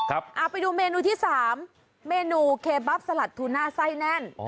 เอาไปดูเมนูที่สามเมนูเคบับสลัดทูน่าไส้แน่น